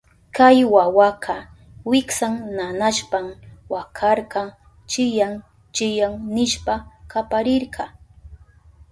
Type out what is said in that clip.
Kay wawaka wiksan nanashpan wakarka, chiyán chiyán nishpa kaparirka.